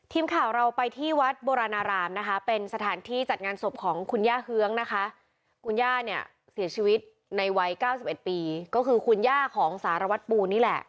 ทีมข่าวเราไปที่วัดโบราณรามนะคะเป็นสถานที่จัดงานศพของคุณย่าเฮื้องนะคะคุณย่าเนี่ยเสียชีวิตในวัย๙๑ปีก็คือคุณย่าของสารวัตรปูนี่แหละ